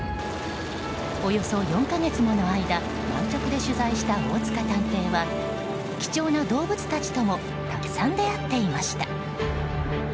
およそ４か月もの間南極で取材した大塚探偵は貴重な動物たちともたくさん出会っていました。